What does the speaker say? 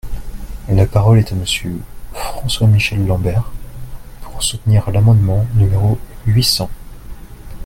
La parole est à Monsieur François-Michel Lambert, pour soutenir l’amendement numéro huit cents.